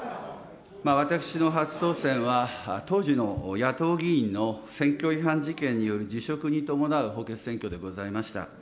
私の初当選は、当時の野党議員の選挙違反事件による辞職に伴う補欠選挙でございました。